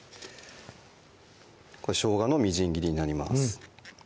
これしょうがのみじん切りになります